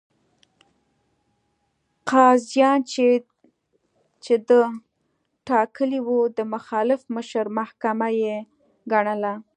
قاضیان چې ده ټاکلي وو، د مخالف مشر محاکمه یې ګڼله.